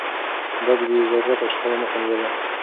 ده د بې ضرورته شخړو مخه نيوله.